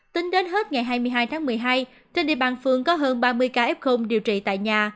tính đến hết ngày hai mươi hai tháng một mươi hai trên địa bàn phường có hơn ba mươi ca f điều trị tại nhà